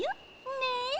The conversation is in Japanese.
ねえ？